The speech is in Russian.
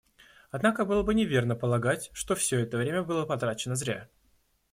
Однако было бы неверно полагать, что все это время было потрачено зря.